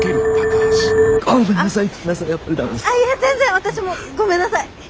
全然私もごめんなさい。